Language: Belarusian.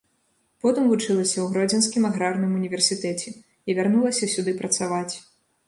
Потым вучылася ў гродзенскім аграрным універсітэце і вярнулася сюды працаваць.